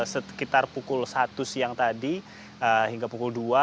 sekitar pukul satu siang tadi hingga pukul dua